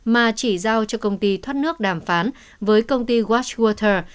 mà chỉ giao cho công ty thoát nước đàm phán với công ty washwater